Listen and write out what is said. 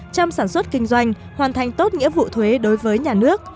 trong sản xuất kinh doanh hoàn thành tốt nghĩa vụ thuế đối với nhà nước